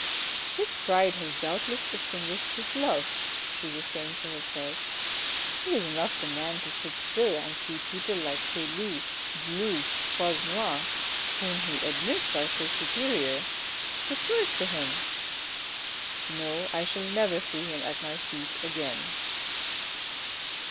" His pride has doubt less extinguished his love," she was saying to herself. " He is not the man to sit still and see people like Caylus, de Luz, Croisenois whom he admits are so superior, preferred to him. No, I shall never see him at my feet again."